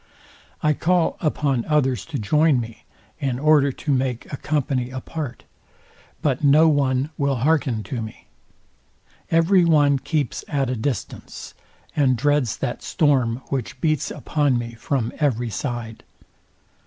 I call upon others to join me, in order to make a company apart; but no one will hearken to me. Every one keeps at a distance, and dreads that storm, which beats upon me from every side.